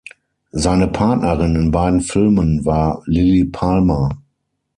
Seine Partnerin in beiden Filmen war Lilli Palmer.